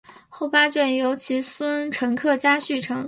后八卷由其孙陈克家续成。